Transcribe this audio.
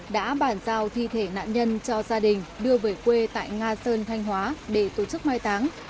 đã bàn giao thi thể nạn nhân cho gia đình đưa về quê tại nga sơn thanh hóa để tổ chức mai táng